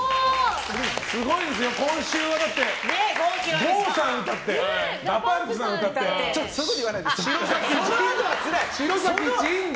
すごいです、今週は郷さんが歌ってＤＡＰＵＭＰさん歌って城咲仁で。